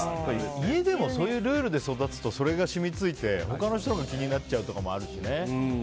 家でもそういうルールで育つとそれが染みついて他の人のが気になっちゃうとかもあるしね。